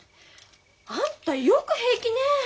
あんたよく平気ね。